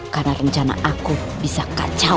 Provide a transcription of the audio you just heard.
karena rencana aku bisa kacau